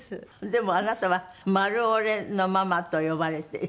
でもあなたはマルオレのママと呼ばれて。